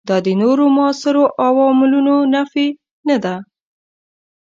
دا د نورو موثرو عواملونو نفي نه ده.